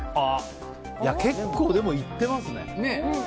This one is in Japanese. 結構でも行ってますね。